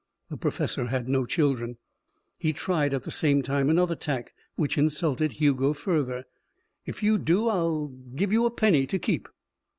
The professor had no children. He tried, at the same time, another tack, which insulted Hugo further. "If you do, I'll give you a penny to keep."